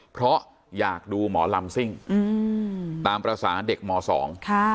เพราะอยากดูหมอลำซิ่งตามภาษาเด็กหมอสอง